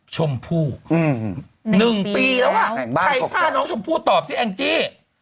ชมพู่๑ปีแล้วอ่ะใครฆ่าน้องชมพู่ตอบสิแองจี้